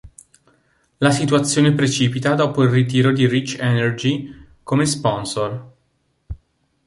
La situazione precipita dopo il ritiro di Rich Energy come sponsor.